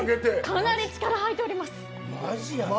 かなり力入っております。